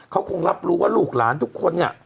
เขาคงรับรู้ว่าลูกหลานทุกคนเนี่ย